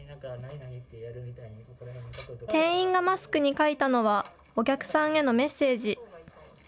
店員がマスクに書いたのはお客さんへのメッセージ。